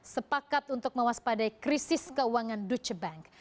sepakat untuk mewaspadai krisis keuangan duche bank